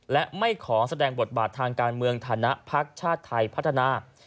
และไม่ขอแสดงบทบาททางการเมืองฐานะพักชาติไทยพัฒนา